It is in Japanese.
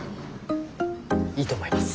いいと思います。